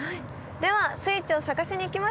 ではスイッチを探しに行きましょう！